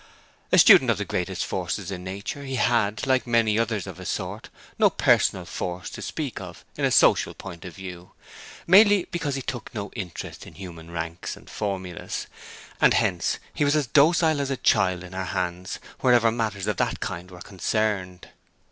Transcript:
A student of the greatest forces in nature, he had, like many others of his sort, no personal force to speak of in a social point of view, mainly because he took no interest in human ranks and formulas; and hence he was as docile as a child in her hands wherever matters of that kind were concerned.